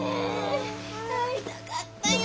会いたかったよ。